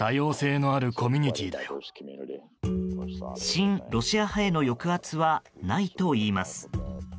親ロシア派への抑圧はないといいます。